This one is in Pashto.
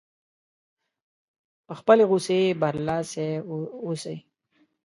په خپلې غوسې برلاسی اوسي.